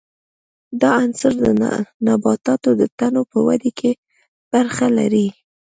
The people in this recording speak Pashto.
دا عنصر د نباتاتو د تنو په ودې کې برخه لري.